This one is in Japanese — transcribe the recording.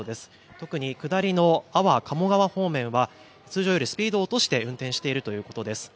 特に下りの安房鴨川方面は通常よりスピードを落として運転しているということです。